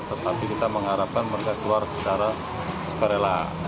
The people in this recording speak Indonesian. tetapi kita mengharapkan mereka keluar secara sukarela